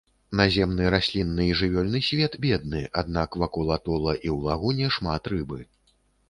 Наземны раслінны і жывёльны свет бедны, аднак вакол атола і ў лагуне шмат рыбы.